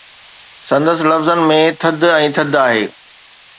سندس لفظن ۾ ٿڌ ۽ ٿڌ آهي